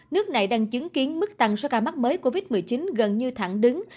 nước này đang chứng kiến mức tăng số ca mắc mới covid một mươi chín gần như thẳng đứng